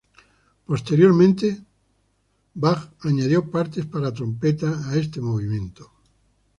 Posteriormente, Wilhelm Friedemann Bach añadió partes para trompeta a este movimiento.